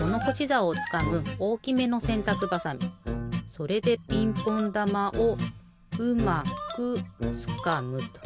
それでピンポンだまをうまくつかむと。